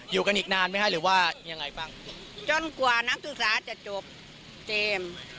อยู่กันอีกนานไหมคะหรือว่ายังไงบ้างจนกว่านักศึกษาจะจบเจมส์